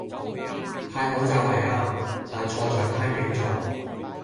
派口罩係啱,但錯在 timing 錯